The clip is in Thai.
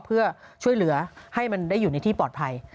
เพื่อช่วยเหลือให้มันได้อยู่ในที่ปลอดภัย